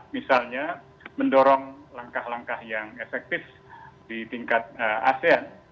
misalnya mendorong langkah langkah yang efektif di tingkat asean